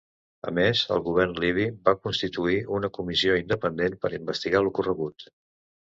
A més, el govern libi va constituir una comissió independent per investigar l'ocorregut.